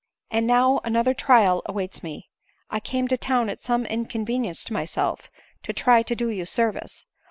And pow another trial awaits me. I came to town at some inconvenience to myself, to try to do you service.